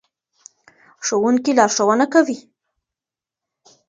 ښوونکي لارښوونه کوي.